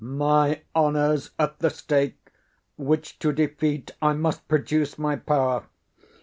My honour's at the stake, which to defeat, I must produce my power.